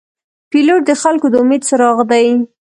پیلوټ د خلګو د امید څراغ دی.